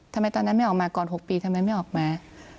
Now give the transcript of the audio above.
ทำไมตอนนั้นไม่ออกมาก่อน๖ปีทำไมไม่ออกมา